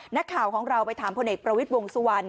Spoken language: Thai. นักข่าวของเราไปถามพลเอกประวิทย์วงสุวรรณ